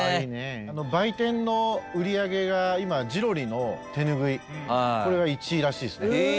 売店の売り上げが今ジロリの手ぬぐいこれが１位らしいっすね。